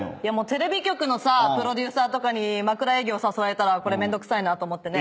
テレビ局のプロデューサーとかに枕営業誘われたらこれめんどくさいなと思ってね。